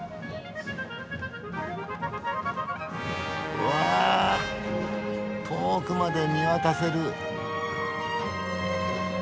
うわ遠くまで見渡せる！